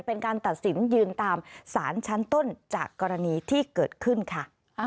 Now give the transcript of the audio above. เป็นการตัดสินยืนตามสารชั้นต้นจากกรณีที่เกิดขึ้นค่ะ